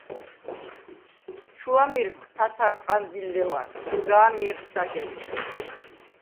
ჩუ ამირმხ თათარყანდ ი ლეუ̂ანდ, სგა̄მჲეხ ცაგერთე.